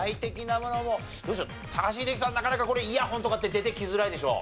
なかなかこれイヤホンとかって出てきづらいでしょ。